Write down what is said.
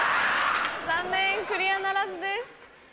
残念クリアならずです。